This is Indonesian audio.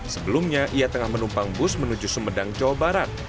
sebelumnya ia tengah menumpang bus menuju sumedang jawa barat